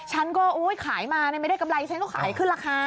ฉันก็ขายมาไม่ได้กำไรฉันก็ขายขึ้นราคา